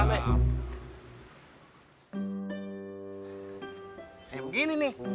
kayak begini nih